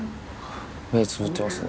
目つぶってますね。